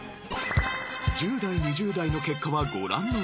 １０代２０代の結果はご覧のとおり。